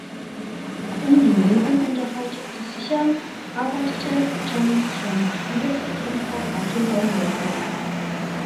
Um den Lebensunterhalt zu sichern, arbeitete Jennings schon seit frühester Kindheit auf den Baumwollfeldern.